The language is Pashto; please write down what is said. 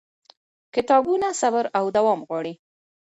کتابونه صبر او دوام غواړي.